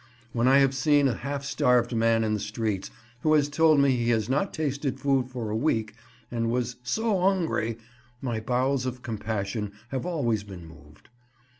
When I have seen a half starved man in the streets who has told me he has not tasted food for a week and was "so 'ungry," my bowels of compassion have always been moved.